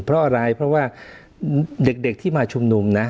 เพราะอะไรเพราะว่าเด็กที่มาชุมนุมนะ